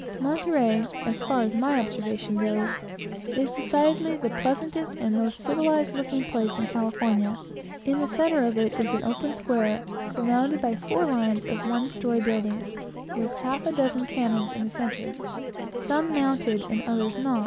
Monterey, as far as my observation goes, is decidedly the pleasantest and most civilized looking place in California. In the centre of it is an open square, surrounded by four lines of one story plastered buildings, with half a dozen cannon in the centre; some mounted, and others not.